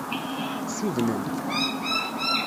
Ssudnent.